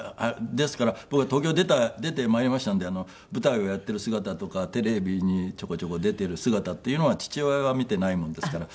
ですから僕が東京出てまいりましたんで舞台をやっている姿とかテレビにちょこちょこ出ている姿っていうのは父親は見ていないものですから。